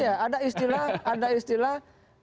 iya ada istilah ada istilah